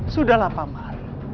sudahlah pak man